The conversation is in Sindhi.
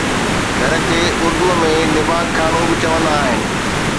گهر کي اردوءَ ۾ نبات خانو به چوندا آهن